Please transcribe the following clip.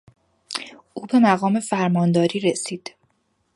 او به مقام فرمانداری رسید.